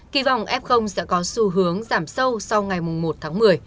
kỳ vọng f sẽ có xu hướng giảm sâu sau ngày một tháng một mươi